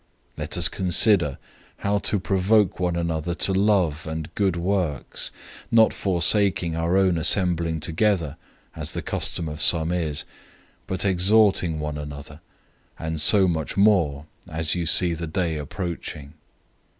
010:024 Let us consider how to provoke one another to love and good works, 010:025 not forsaking our own assembling together, as the custom of some is, but exhorting one another; and so much the more, as you see the Day approaching.